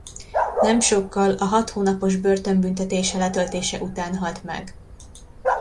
Nem sokkal a hat hónapos börtönbüntetése letöltése után halt meg.